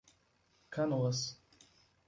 Canoas